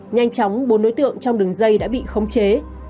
nhanh chóng bốn đối tượng trong đường dây đã bị khống chế